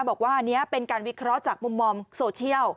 บอกว่าอันนี้เป็นการวิเคราะห์จากมุมมองโซเชียล